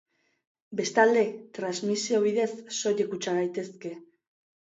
Bestalde, transmisio bidez soilik kutsa gaitezke.